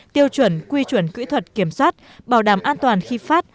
tiêu chuẩn quy chuẩn kỹ thuật kiểm soát bảo đảm an toàn khi phát